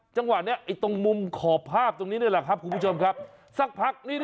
จังหวะนี้ไอ้ตรงมุมขอบภาพตรงนี้นี่แหละครับคุณผู้ชมครับสักพักนี่